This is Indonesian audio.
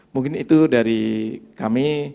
mungkin itu dari kami